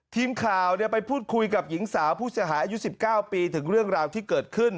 ทีมข่าวไปพูดคุยกับหญิงสาวผู้เสียหายอายุ๑๙ปีถึงเรื่องราวที่เกิดขึ้น